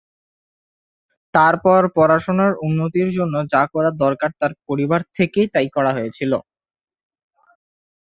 তার পড়াশোনার উন্নতির জন্য যা করা দরকার তার পরিবার থেকেই তাই করা হয়েছিল।